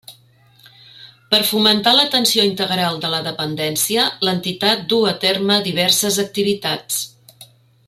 Per fomentar l'atenció integral de la dependència l'entitat duu a terme diverses activitats.